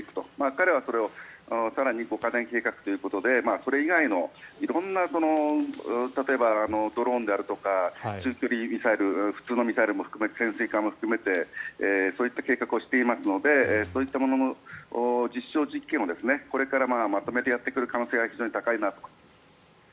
彼らはそれを更に五カ年計画ということでそれ以外の色んな例えばドローンであるとか中距離ミサイル普通のミサイル潜水艦も含めてそういった計画をしていますのでそういったものの実証実験をこれからまとめてやってくる可能性が非常に高いなと。